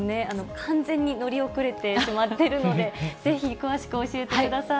完全に乗り遅れてしまってるので、ぜひ、詳しく教えてください。